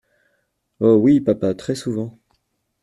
Oh ! oui, papa… très souvent.